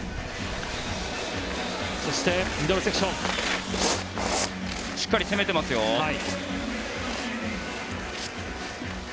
しっかり攻めていますね。